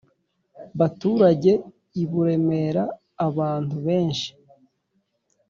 baturaga i buremera abantu benshi.